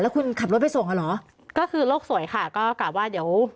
คุณขับรถไปส่งอ่ะเหรอก็คือโลกสวยค่ะก็กลับว่าเดี๋ยว